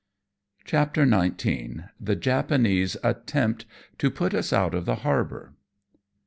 CHAPTEE XIX. THE JAPANESE ATTEMPT TO PUT US OUT OF THE HAEBOUR.